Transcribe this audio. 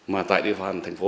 để tìm hiểu các mối quan hệ